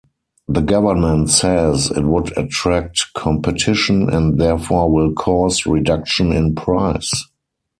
The Government says it would attract competition and therefore will cause reduction in price.